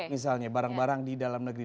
misalnya barang barang di dalam negeri